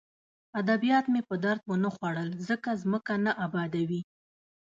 ادبیات مې په درد ونه خوړل ځکه ځمکه نه ابادوي